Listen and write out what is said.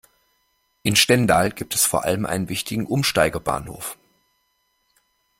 In Stendal gibt es vor allem einen wichtigen Umsteigebahnhof.